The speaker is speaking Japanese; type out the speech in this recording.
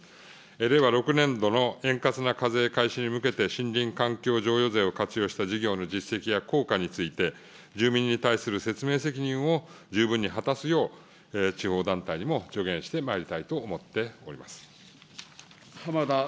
令和６年度の円滑な課税開始に向けて、森林環境譲与税を活用した事業の実績や効果について、住民に対する説明責任を十分に果たすよう、地方団体にも助言してまいりたいと思っております。